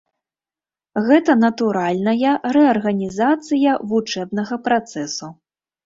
Гэта натуральная рэарганізацыя вучэбнага працэсу.